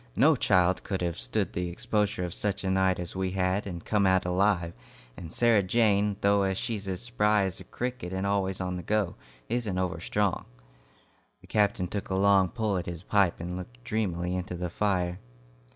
No child could have stood the exposure of such a night as we had and come out alive; and Sarah Jane, though she's as spry as a cricket and always on the go, isn't over strong." The captain took a long pull at his pipe and looked dreamily into the fire.